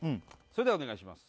それではお願いします